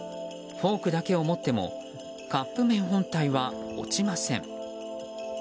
フォークだけを持ってもカップ麺本体は落ちません。